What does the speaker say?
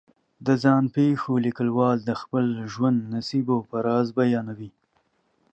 د ځان پېښو لیکوال د خپل ژوند نشیب و فراز بیانوي.